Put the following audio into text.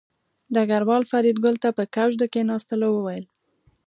ډګروال فریدګل ته په کوچ د کېناستلو وویل